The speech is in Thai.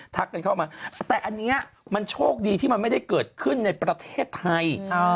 กันเข้ามาแต่อันนี้มันโชคดีที่มันไม่ได้เกิดขึ้นในประเทศไทย